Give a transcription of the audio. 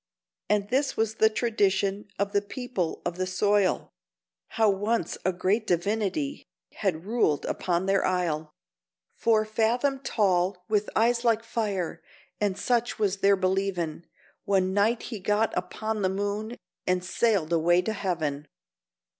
And this was the tradition of the people of the soil, How once a great divinity had ruled upon their isle; Four fathom tall, with eyes like fire, and such was their believin', One night he got upon the moon—and sailed away to Heaven!